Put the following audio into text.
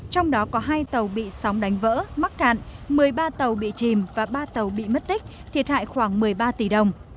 trong đó có hai tàu bị sóng đánh vỡ mắc cạn một mươi ba tàu bị chìm và ba tàu bị mất tích thiệt hại khoảng một mươi ba tỷ đồng